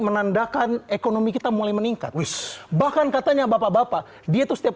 menandakan ekonomi kita mulai meningkat wish bahkan katanya bapak bapak dia itu setiap